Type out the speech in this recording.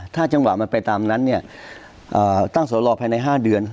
ถ้าจังหวะมันไปตามนั้นเนี่ยตั้งสอรอภายใน๕เดือน